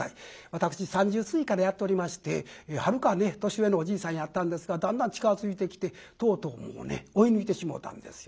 私３０過ぎからやっておりましてはるかね年上のおじいさんやったんですがだんだん近づいてきてとうとうもうね追い抜いてしもうたんですよ。